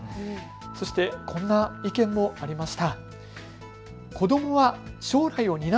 そしてこんな意見もありました。